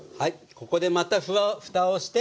ここでまたふたをして。